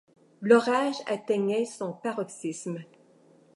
L’orage atteignait son paroxysme.